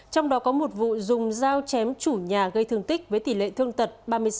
trong đó có một vụ dùng dao chém chủ nhà gây thương tích với tỷ lệ thương tật ba mươi sáu